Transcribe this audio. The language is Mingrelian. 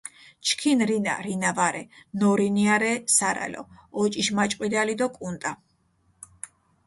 ჩქინ რინა, რინა ვარე, ნორინია რე სარალო, ოჭიშმაჭყვიდალი დო კუნტა.